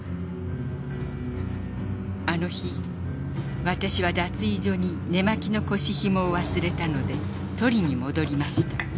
あの日私は脱衣所に寝間着の腰ひもを忘れたので取りに戻りました。